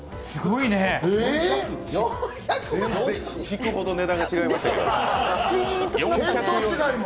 引くほど値段が違いましたけれども。